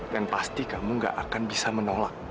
dan pasti kamu nggak akan bisa menolak